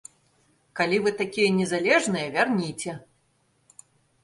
Калі вы такія незалежныя, вярніце!